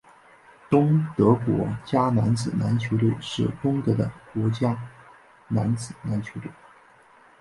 东德国家男子篮球队是东德的国家男子篮球队。